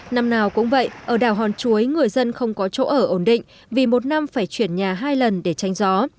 năm nào cũng vậy ở đảo hòn chuối người dân không có chỗ ở ổn định vì một năm phải chuyển nhà hai lần để tranh gió